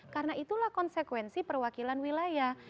karena itulah konsekuensi perwakilan wilayah